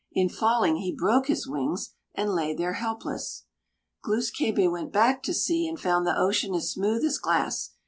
In falling he broke his wings, and lay there helpless. Glūs kābé went back to sea and found the ocean as smooth as glass.